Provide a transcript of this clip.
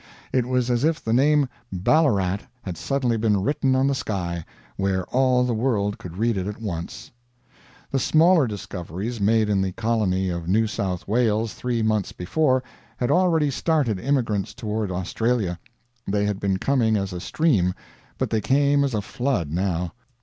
It was as if the name BALLARAT had suddenly been written on the sky, where all the world could read it at once. The smaller discoveries made in the colony of New South Wales three months before had already started emigrants toward Australia; they had been coming as a stream, but they came as a flood, now.